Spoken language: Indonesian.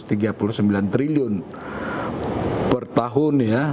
setara dengan satu ratus tiga puluh sembilan triliun per tahun ya